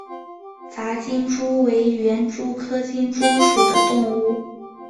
杂金蛛为园蛛科金蛛属的动物。